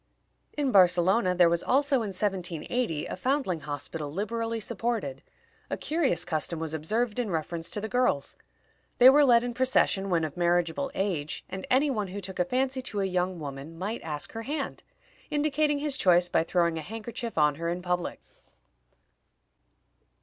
In Barcelona there was also, in 1780, a foundling hospital liberally supported. A curious custom was observed in reference to the girls. They were led in procession when of marriageable age, and any one who took a fancy to a young woman might ask her hand, indicating his choice by throwing a handkerchief on her in public.